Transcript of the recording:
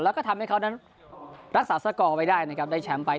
แล้วก็ทำให้เขานั้นรักษาสกอร์ไว้ได้นะครับได้แชมป์ไป